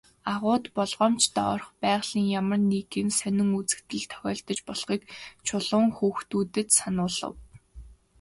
Агуйд болгоомжтой орох, байгалийн ямар нэгэн сонин үзэгдэл тохиолдож болохыг Чулуун хүүхдүүдэд сануулав.